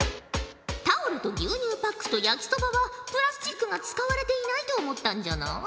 タオルと牛乳パックと焼きそばはプラスチックが使われていないと思ったんじゃな。